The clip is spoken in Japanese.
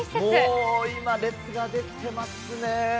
もう今、列が出来てますね。